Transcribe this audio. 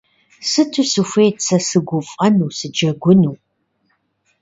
Сыту сыхуейт сэ сыгуфӀэну, сыджэгуну